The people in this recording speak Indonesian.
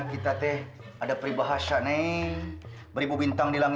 kotak emas dibawa orang